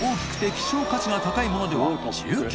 希少価値が高いものでは隠綱